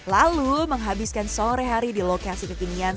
lalu menghabiskan sore hari di lokasi kekinian